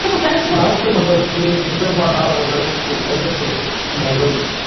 நாட்டு மன்னருக்கு எம்பெருமானார் அவர்கள் ஒரு கடிதம் கொடுத்திருந்தார்கள்.